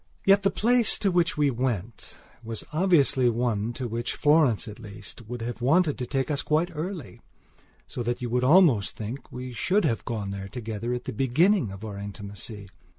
Yet the place to which we went was obviously one to which Florence at least would have wanted to take us quite early, so that you would almost think we should have gone there together at the beginning of our intimacy.